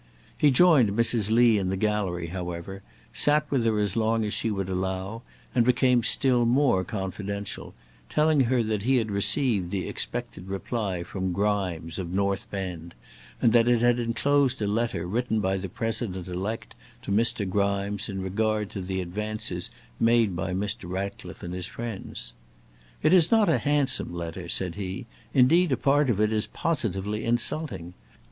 He joined Mrs. Lee in the gallery, however, sat with her as long as she would allow, and became still more confidential, telling her that he had received the expected reply from Grimes, of North Bend, and that it had enclosed a letter written by the President elect to Mr. Grimes in regard to the advances made by Mr. Ratcliffe and his friends. "It is not a handsome letter," said he; "indeed, a part of it is positively insulting.